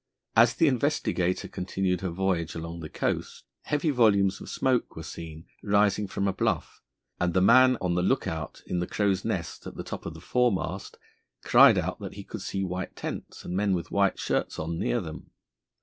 As the Investigator continued her voyage along the coast, heavy volumes of smoke were seen rising from a bluff, and the man on the look out in the crow's nest at the top of the foremast cried out that he could see white tents and men with white shirts on near them.